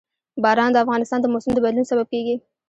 باران د افغانستان د موسم د بدلون سبب کېږي.